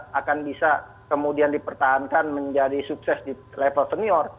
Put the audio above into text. bukan bisa kemudian dipertahankan menjadi sukses di level senior